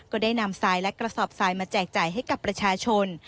ก็ได้นำทรายและกระสอบทรายมาแจกจ่ายให้กับประชาชน